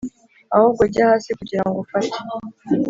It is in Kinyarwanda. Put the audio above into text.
ahubwo jya hasi kugirango ufate